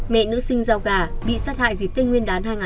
mẹ nữ sinh giao gà bị sát hại dịp tên nguyên đán hai nghìn một mươi chín